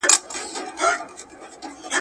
کم خوب د کار ساعتونه اغېزمنوي.